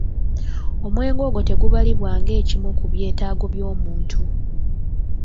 Omwenge ogwo tegubalibwa ng'ekimu ku byetaago by'omuntu.